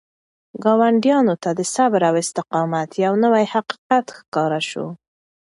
ګاونډیانو ته د صبر او استقامت یو نوی حقیقت ښکاره شو.